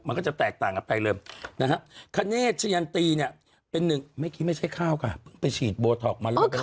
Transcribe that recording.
มันให้มันลึกทึ๊กงี้ลุกและมันล็อกให้วีดได้ด้วยหรอ